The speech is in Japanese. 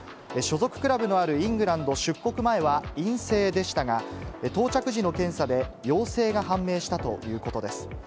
所属クラブのあるイングランド出国前は陰性でしたが、到着時の検査で陽性が判明したということです。